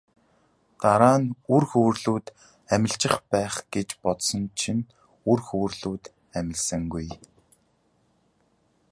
Дараа нь үр хөврөл амилчих байх гэж бодсон чинь үр хөврөлүүд амилсангүй.